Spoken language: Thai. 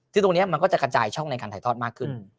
คือตรงนี้มันก็จะกระจายช่องในการถ่ายทอดมากขึ้น